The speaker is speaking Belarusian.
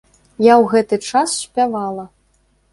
Я ў гэты час спявала.